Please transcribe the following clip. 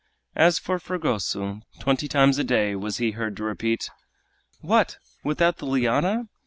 As for Fragoso, twenty times a day was he heard to repeat, "What! without the liana?"